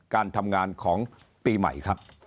การทำงานของปีใหม่ครับ